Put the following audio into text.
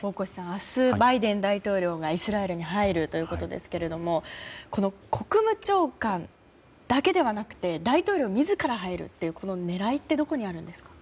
明日、バイデン大統領がイスラエルに入るということですがこの国務長官だけではなくて大統領自ら入るというこの狙いってどこにあるんですか。